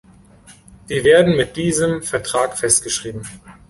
Die werden mit diesem Vertrag festgeschrieben.